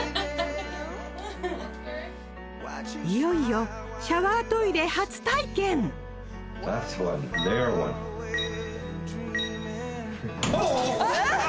いよいよシャワートイレ初体験Ｏｈ！